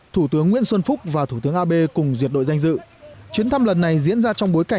thủ tướng nguyễn xuân phúc chủ trì lễ đón